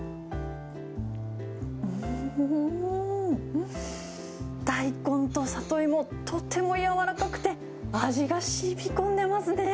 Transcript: うーん、大根とサトイモ、とてもやわらかくて、味がしみこんでますね。